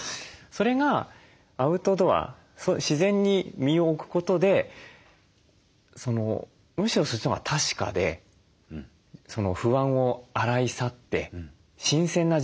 それがアウトドア自然に身を置くことでむしろそっちのほうが確かでその不安を洗い去って新鮮な自分になるっていう。